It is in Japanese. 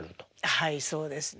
はいそうですね。